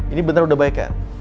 ini bener udah baik kan